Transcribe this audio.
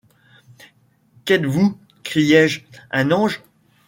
Qu'êtes-vous ? criais-je ; un ange ?